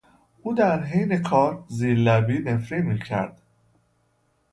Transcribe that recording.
او در حین کار کردن، زیر لبی نفرین میکرد.